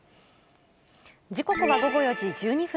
時刻は午後４時１２分。